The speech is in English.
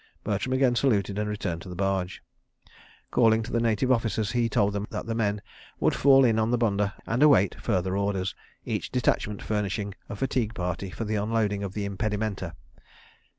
Bertram again saluted and returned to the barge. Calling to the Native Officers he told them that the men would fall in on the bunder and await further orders, each detachment furnishing a fatigue party for the unloading of the impedimenta.